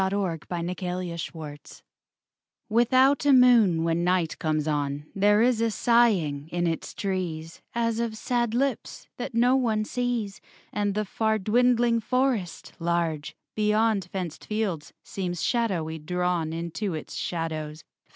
_ POEMS OF MYSTERY HAUNTED I Without a moon when night comes on There is a sighing in its trees As of sad lips that no one sees; And the far dwindling forest, large Beyond fenced fields, seems shadowy drawn Into its shadows.